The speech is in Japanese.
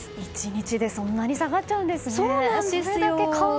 １日でそんなに下がっちゃうんですね。